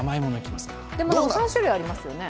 でも３種類ありますよね。